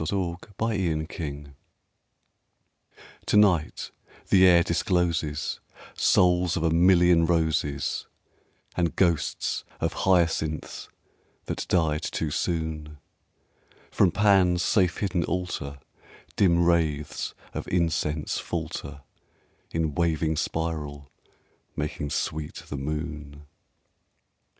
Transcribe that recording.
In an Autumn Garden TO NIGHT the air discloses Souls of a million roses, And ghosts of hyacinths that died too soon; From Pan's safe hidden altar Dim wraiths of incense falter In waving spiral, making sweet the moon!